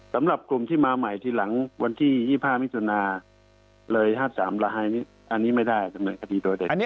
สำหรับกลุ่มที่มาใหม่ทีหลังวันที่๒๕มิจินาเลย๕๓ลายอันนี้ไม่ได้